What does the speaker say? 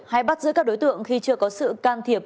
hay bắt giữ các đối tượng khi chưa có sự can thiệp